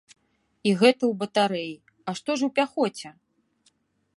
І гэта ў батарэі, а што ж у пяхоце?